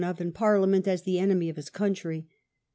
of in Parliament a$ the enemy of his country.